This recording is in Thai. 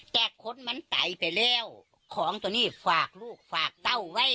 แต่คนมันไตไปแล้วของตัวนี้ฝากลูกฝากเต้าไว้